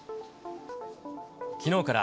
きのうから、